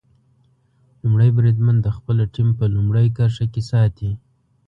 لومړی بریدمن د خپله ټیم په لومړۍ کرښه کې ساتي.